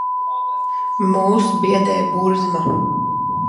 Mūs biedē burzma.